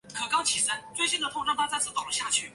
刺呈灰色。